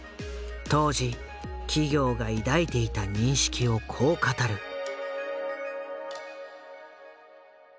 当時企業が抱いていた認識をこう語る。